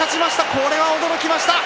これは驚きました。